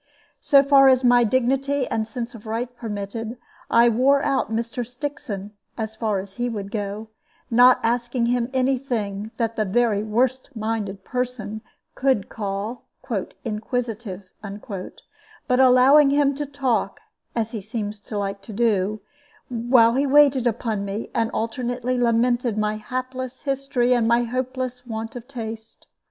So far as my dignity and sense of right permitted, I wore out Mr. Stixon, so far as he would go, not asking him any thing that the very worst minded person could call "inquisitive," but allowing him to talk, as he seemed to like to do, while he waited upon me, and alternately lamented my hapless history and my hopeless want of taste.